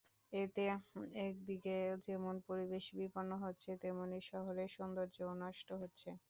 এতে একদিকে যেমন পরিবেশ বিপন্ন হচ্ছে, তেমনি শহরের সৌন্দর্যও নষ্ট হচ্ছে।